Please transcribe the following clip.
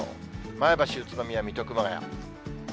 前橋、宇都宮、水戸、熊谷。